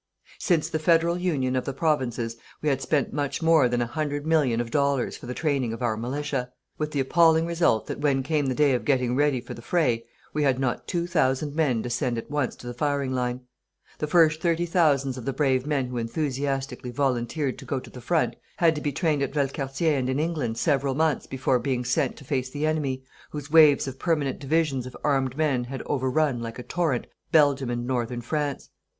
Since the federal Union of the Provinces we had spent much more than a hundred million of dollars for the training of our militia, with the appalling result that when came the day of getting ready for the fray, we had not two thousand men to send at once to the firing line. The first thirty thousands of the brave men who enthusiastically volunteered to go to the front had to be trained, at Valcartier and in England, several months before being sent to face the enemy whose waves of permanent divisions of armed men had overrun, like a torrent, Belgium and northern France.